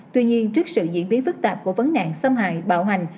tuy nhiên trước sự diễn biến phức tạp của vấn nạn xâm hại bạo hành